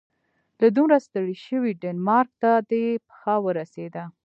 که دومره ستړی شوې ډنمارک ته دې پښه ورسیده.